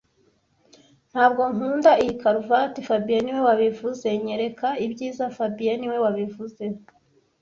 Ntabwo nkunda iyi karuvati fabien niwe wabivuze Nyereka ibyiza fabien niwe wabivuze